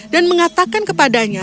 dan mengatakan kepadanya